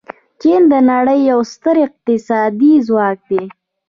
چین د نړۍ یو ستر اقتصادي ځواک دی.